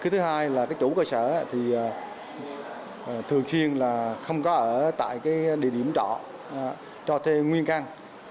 thứ hai là chủ cơ sở thường thiên không có ở tại địa điểm trọ cho thuê nguyên căn